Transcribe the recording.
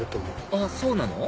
あっそうなの？